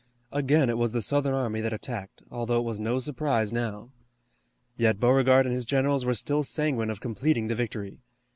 Again it was the Southern army that attacked, although it was no surprise now. Yet Beauregard and his generals were still sanguine of completing the victory.